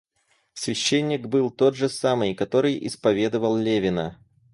Священник был тот же самый, который исповедывал Левина.